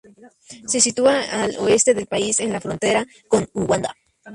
Se sitúa al oeste del país, en la frontera con Uganda.